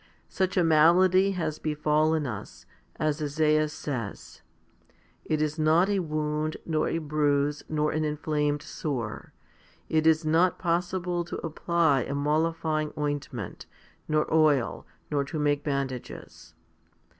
Such a malady has befallen us, as Esaias says, It is not a wound, nor a bruise, nor an inflamed sore ; it is not possible to apply a mollifying ointment, nor oil, nor to make bandages?